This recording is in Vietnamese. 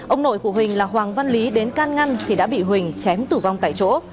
ông nội của huỳnh là hoàng văn lý đến can ngăn thì đã bị huỳnh chém tử vong tại chỗ